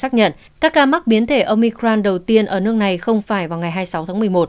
các ca mắc biến thể omicron đầu tiên ở nước này không phải vào ngày hai mươi sáu tháng một mươi một